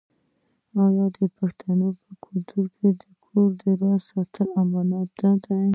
آیا د پښتنو په کلتور کې د کور راز ساتل امانت نه دی؟